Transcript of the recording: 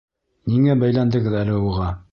Ниңә бәйләндегеҙ әле уға?